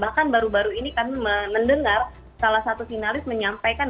bahkan baru baru ini kami mendengar salah satu finalis menyampaikan